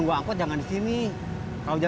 yaudah mandi disana